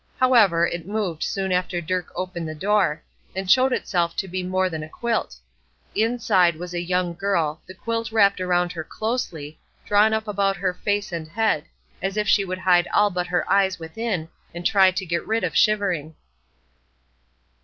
However, it moved soon after Dirk opened the door, and showed itself to be more than a quilt. Inside was a young girl, the quilt wrapped around her closely, drawn up about her face and head, as if she would hide all but her eyes within, and try to get rid of shivering.